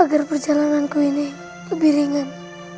agar perjalananku ini lebih ringan